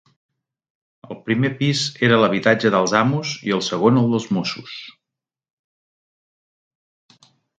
El primer pis era l'habitatge dels amos i el segon el dels mossos.